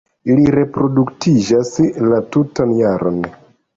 Ili reproduktiĝas la tutan jaron.